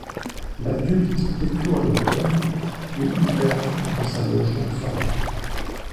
L'adulte éclôt à l'automne et hiverne dans sa loge nymphale.